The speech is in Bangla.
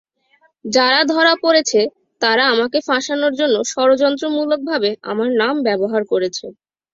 যারা ধরা পড়েছে, তারা আমাকে ফাঁসানোর জন্য ষড়যন্ত্রমূলকভাবে আমার নাম ব্যবহার করেছে।